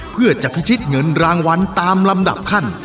เพื่อจะพิชิตเงินรางวัลตามลำดับขั้น